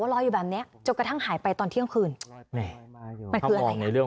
ว่ารออยู่แบบนี้จนกระทั่งหายไปตอนเที่ยวคืนมันมองในเรื่อง